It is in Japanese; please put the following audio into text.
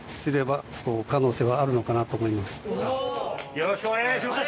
よろしくお願いします。